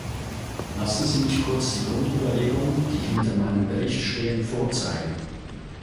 Lassen Sie mich kurz die Grundüberlegungen, die hinter meinem Bericht stehen, vorzeigen.